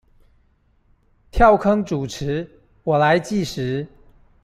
跳坑主持，我來計時